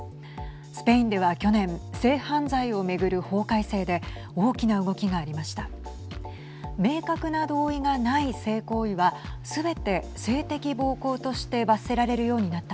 スペインでは去年性犯罪を巡る法改正で大きな動きがありました。